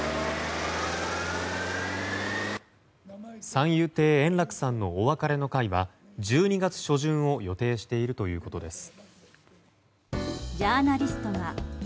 三遊亭円楽さんのお別れの会は１２月初旬を予定しているということです。